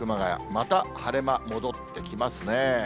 また晴れ間戻ってきますね。